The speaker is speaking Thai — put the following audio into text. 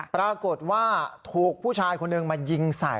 ปรากฏว่าถูกผู้ชายคนหนึ่งมายิงใส่